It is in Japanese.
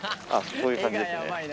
こういう感じですね？